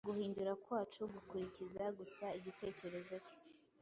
guhindura kwacu gukurikiza gusa igitekerezo cye